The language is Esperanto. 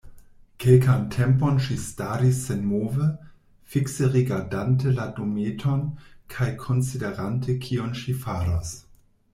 Kelkan tempon ŝi staris senmove, fikse rigardante la dometon kaj konsiderante kion ŝi faros.